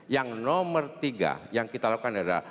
yang nomor tiga yang kita lakukan adalah